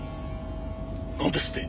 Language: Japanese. なんですって！？